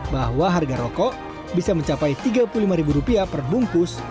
bahwa harga rokok bisa mencapai rp tiga puluh lima perbungkus